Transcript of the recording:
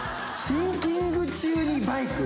シンキング中にバイク？